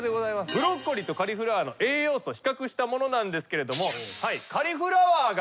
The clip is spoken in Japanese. ブロッコリーとカリフラワーの栄養素比較したものなんですけれども。